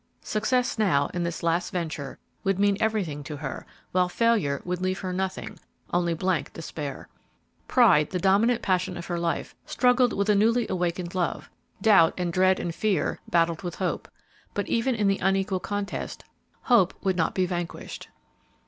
Success now, in this last venture, would mean everything to her, while failure would leave her nothing, only blank despair. Pride, the dominant passion of her life, struggled with a newly awakened love; doubt and dread and fear battled with hope, but even in the unequal contest, hope would not be vanquished.